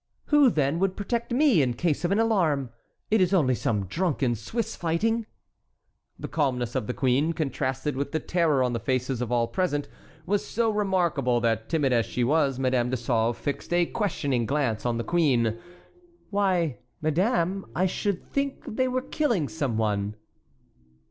"Who, then, would protect me in case of an alarm? It is only some drunken Swiss fighting." The calmness of the queen, contrasted with the terror on the faces of all present, was so remarkable that, timid as she was, Madame de Sauve fixed a questioning glance on the queen. "Why, madame, I should think they were killing some one."